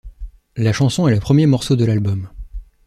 La chanson est le premier morceau de l'album.